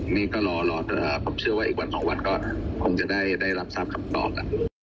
นี่ก็รอแต่ผมเชื่อว่าอีกวัน๒วันก็คงจะได้รับทราบคำตอบ